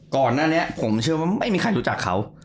ก่อนหน้านี้ผมเชื่อว่าไม่มีใครรู้จักเขา